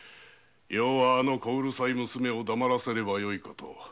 要はあの小うるさい娘を黙らせればよいこと。